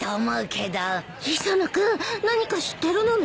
磯野君何か知ってるのね？